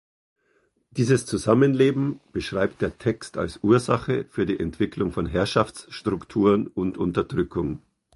Dieses Zusammenleben beschreibt der Text als Ursache für die Entwicklung von Herrschaftsstrukturen und Unterdrückung.